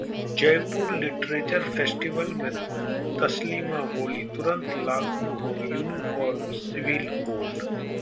Jaipur literature festival में तस्लीमा बोलीं, तुरंत लागू हो यूनिफॉर्म सिविल कोड